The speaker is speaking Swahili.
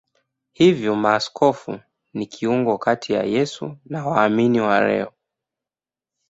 Hivyo maaskofu ni kiungo kati ya Yesu na waumini wa leo.